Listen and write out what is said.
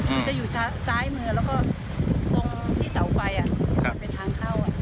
มันจะอยู่ซ้ายมือแล้วก็ตรงที่เสาไฟอ่ะครับเป็นทางเข้าอ่ะ